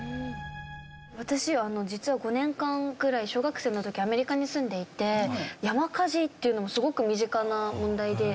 私実は５年間くらい小学生の時アメリカに住んでいて山火事っていうのもすごく身近な問題で。